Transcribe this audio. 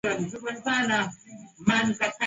umebisha hodi jijini portal prince